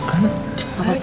aku juga mau makan